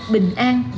bình an và tốt đẹp